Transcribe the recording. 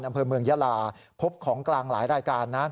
อำเภอเมืองยาลาพบของกลางหลายรายการนะ